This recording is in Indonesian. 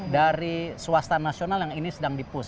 dari swasta nasional yang ini sedang dipus